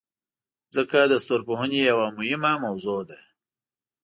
مځکه د ستورپوهنې یوه مهمه موضوع ده.